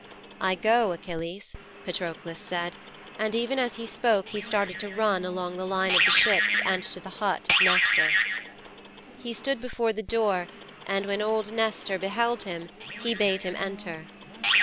"' '"I go, Achilles," Patroklos said, and even as he spoke he started to run along the line of the ships and to the hut of Nestor.' 'He stood before the door, and when old Nestor beheld him he bade him enter.